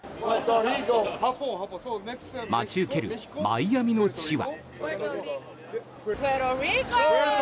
待ち受けるマイアミの地は。